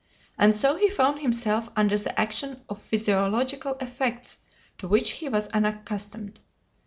And so he found himself under the action of physiological effects to which he was unaccustomed.